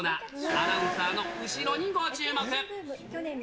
アナウンサーの後ろにご注目。